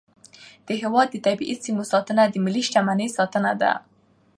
د هیواد د طبیعي سیمو ساتنه د ملي شتمنۍ ساتنه ده.